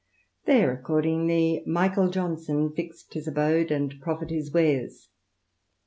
There, accordingly, Michael Johnson fixed his abode and proffered his wares.